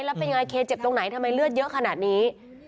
แล้วเป็นยังไงเคเจ็บตรงไหนทำไมเลือดเยอะขนาดนี้